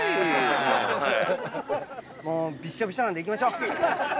もうびっしょびしょなんで行きましょう！